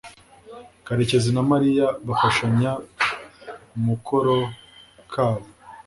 karekezi na mariya bafashanya mukoro kabo